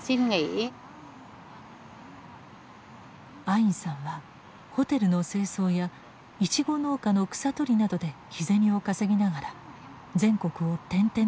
アインさんはホテルの清掃やイチゴ農家の草取りなどで日銭を稼ぎながら全国を転々としていました。